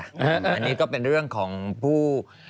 อันนี้ก็เป็นเรื่องของผู้